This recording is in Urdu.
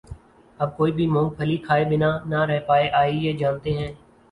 اب کوئی بھی مونگ پھلی کھائے بنا نہ رہ پائے آئیے جانتے ہیں